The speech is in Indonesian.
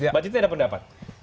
mbak citi ada pendapat